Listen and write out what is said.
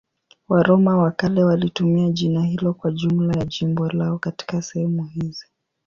Waroma wa kale walitumia jina hilo kwa jumla ya jimbo lao katika sehemu hizi.